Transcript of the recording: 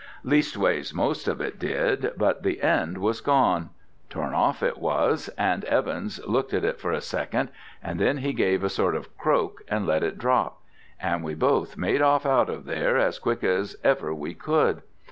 Leastways most of it did, but the end was gone. Torn off it was, and Evans looked at it for a second and then he gave a sort of a croak and let it drop, and we both made off out of there as quick as ever we could.